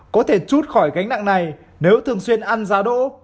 có thể chút khỏi gánh nặng này nếu thường xuyên ăn giá đỗ